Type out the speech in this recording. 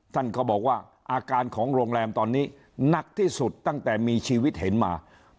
ท่านก็บอกว่าอาการของโรงแรมตอนนี้หนักที่สุดตั้งแต่มีชีวิตเห็นมา